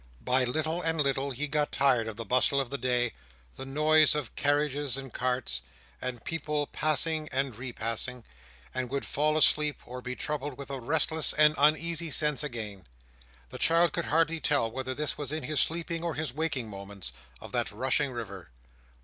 By little and little, he got tired of the bustle of the day, the noise of carriages and carts, and people passing and repassing; and would fall asleep, or be troubled with a restless and uneasy sense again—the child could hardly tell whether this were in his sleeping or his waking moments—of that rushing river.